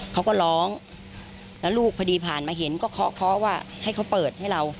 เขาก็ร้องแล้วลูกพอดีผ่านมาเห็นก็เคาะเคาะว่าให้เขาเปิดให้เรา